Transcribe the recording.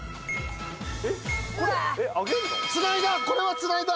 つないだ！